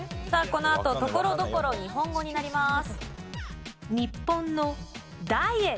このあとところどころ日本語になります。